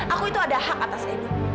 aku itu ada hak atas ini